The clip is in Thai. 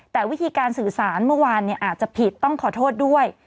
แต่วิธีการสื่อสารเมื่อวานอาจจะผิดต้องขอโทษด้วย